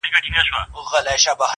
زما د اوښکي ـ اوښکي ژوند يوه حصه راوړې_